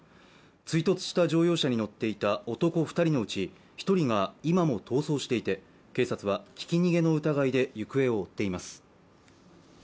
追突した乗用車に乗っていた男２人のうち１人が今も逃走していて警察はひき逃げの疑いで行方を追っています。